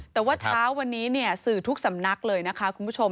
แต่ว่าเช้าวันนี้สื่อทุกสำนักเลยนะคะคุณผู้ชม